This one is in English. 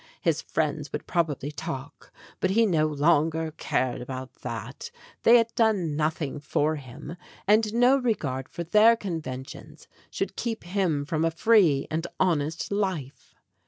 His friends would probably talk, but he no longer cared about that ; they had done nothing for him, and no regard for their conventions should keep him from a free and honest life.